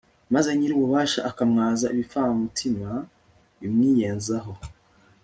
maze nyir'ububasha akamwaza ibipfamutima bimwiyenzaho